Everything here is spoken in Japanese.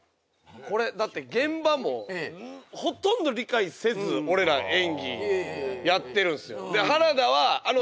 これだって現場もほとんど理解せず俺ら演技やってるんすよ